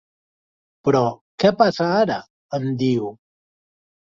Però què passa, ara? —em diu.